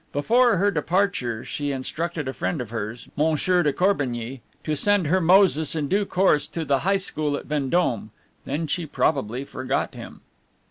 Before her departure she instructed a friend of hers, Monsieur de Corbigny, to send her Moses in due course to the High School at Vendome; then she probably forgot him.